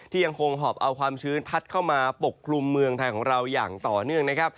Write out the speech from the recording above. ยังคงหอบเอาความชื้นพัดเข้ามาปกคลุมเมืองไทยของเราอย่างต่อเนื่องนะครับ